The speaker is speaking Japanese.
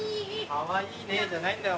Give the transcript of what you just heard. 「かわいいね」じゃないんだよ